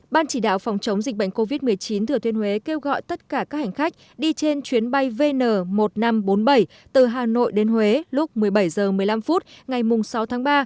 ban chỉ đạo phòng chống dịch bệnh covid một mươi chín thừa thuyên huế kêu gọi tất cả các hành khách đi trên chuyến bay vn một nghìn năm trăm bốn mươi bảy từ hà nội đến huế lúc một mươi bảy h một mươi năm phút ngày sáu tháng ba